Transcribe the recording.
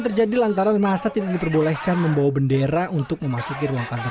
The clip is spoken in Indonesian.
terjadi lantaran masa tidak diperbolehkan membawa bendera untuk memasuki ruang kantor